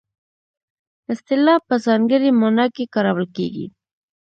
اصطلاح په ځانګړې مانا کې کارول کیږي